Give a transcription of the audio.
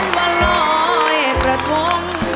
แล้วบรอนอลอยกระทง